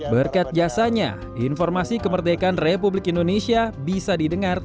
berkat jasanya informasi kemerdekaan republik indonesia bisa didengar